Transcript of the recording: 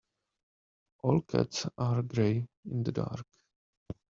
All cats are grey in the dark.